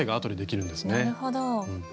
なるほど。